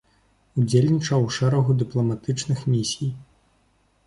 Удзельнічаў у шэрагу дыпламатычных місій.